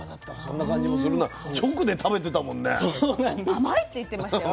甘いって言ってましたよ。